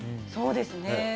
そうですね。